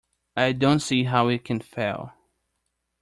I don't see how it can fail.